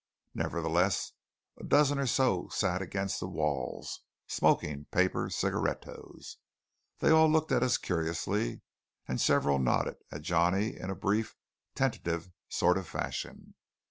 Nevertheless a dozen or so sat against the walls, smoking paper cigarettos. They all looked at us curiously; and several nodded at Johnny in a brief, tentative sort of fashion.